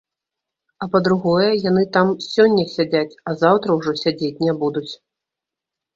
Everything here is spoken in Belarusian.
А па-другое, яны там сёння сядзяць, а заўтра ўжо сядзець не будуць.